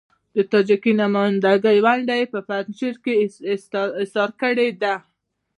د تاجکي نمايندګۍ ونډه يې په پنجشیر کې اېسار کړې ده.